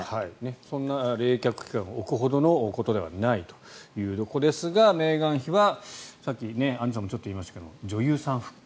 そんな冷却期間を置くほどのことではないということですがメーガン妃はさっきアンジュさんもちょっと言いましたが女優さん復帰